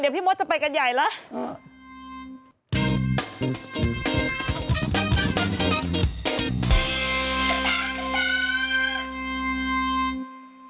เดี๋ยวพี่มดจะไปกันใหญ่แล้ว